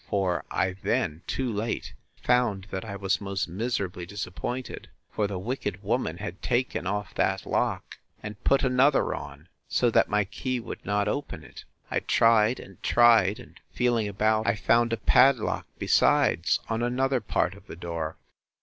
for I then, too late, found, that I was most miserably disappointed; for the wicked woman had taken off that lock, and put another on; so that my key would not open it. I tried, and tried, and feeling about, I found a padlock besides, on another part of the door.